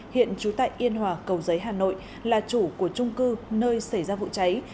hiện trú tại yên hòa cầu giấy hà nội là chủ của trung cư nơi xảy ra vụ cháy